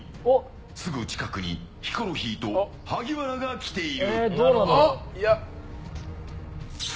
すぐ近くにヒコロヒーと萩原が来ている。